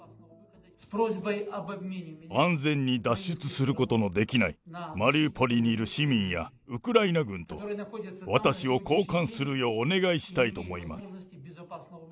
安全に脱出することのできないマリウポリにいる市民やウクライナ軍と、私を交換するようお願いしたいと思います。